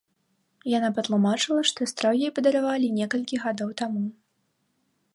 Яна патлумачыла, што строй ёй падаравалі некалькі гадоў таму.